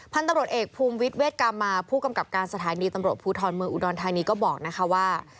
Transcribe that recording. พันธุ์ตำรวจเอกภูมิวิทยเวทกามาผู้กำกับการสถานีตำรวจภูทรเมืองอุดรธานีก็บอกนะคะว่า